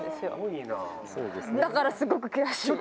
だからすごく悔しい。